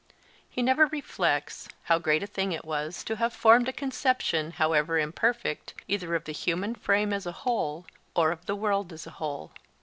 He never reflects, how great a thing it was to have formed a conception, however imperfect, either of the human frame as a whole, or of the world as a whole.